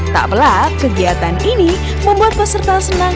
tak pelak kegiatan ini membuat peserta senang